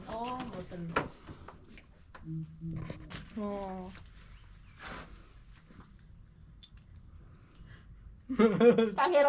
nah ini ada kasut nih